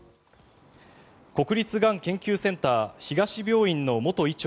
国立がん研究センター東病院の元院長